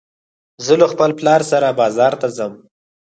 زه له خپل پلار سره بازار ته ځم